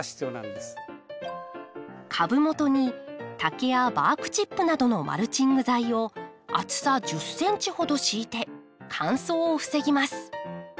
株元に竹やバークチップなどのマルチング材を厚さ１０ｃｍほど敷いて乾燥を防ぎます。